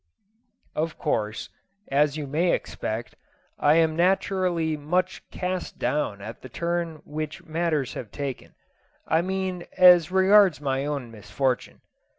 Of course, as you may expect, I am naturally much cast down at the turn which matters have taken I mean as regards my own misfortune.